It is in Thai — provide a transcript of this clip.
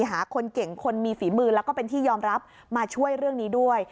หาคนเก่งคนมีฝีมือแล้วก็เป็นที่ยอมรับมาช่วยเรื่องนี้ด้วย